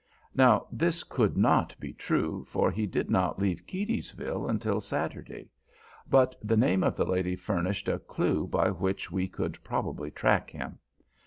Now this could not be true, for he did not leave Keedysville until Saturday; but the name of the lady furnished a clew by which we could probably track him.